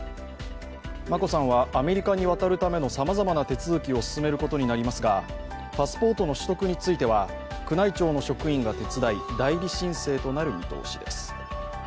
眞子さんはアメリカに渡るためのさまざまな手続きを進めることになりますがパスポートの取得については、宮内庁の職員が手伝い、代理申請となる見通しです。